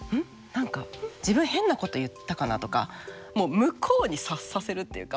何か自分変なこと言ったかな」とか向こうに察させるっていうか。